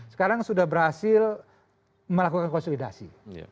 sekarang sudah berhasil melakukan konsolidasi